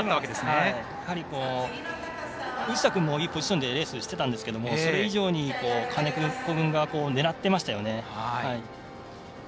やはり薄田君もいいポジションでレースしていましたがそれ以上に、金子君が狙ってましたよね。